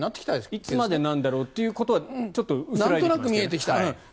いつまでなんだろうっていうことはちょっと薄らいできた。